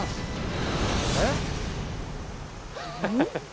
えっ！？